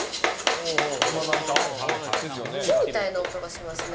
木みたいな音がしますね。